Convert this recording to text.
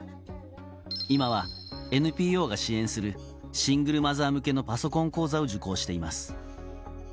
今はＮＰＯが支援するシングルマザー向けのパソコン講座を受講しています。